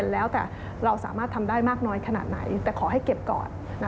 แล้วแต่เราสามารถทำได้มากน้อยขนาดไหนแต่ขอให้เก็บก่อน